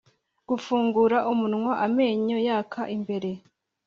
gufungura umunwa amenyo yaka imbere,